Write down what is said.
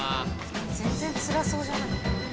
全然つらそうじゃない。